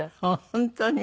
本当に。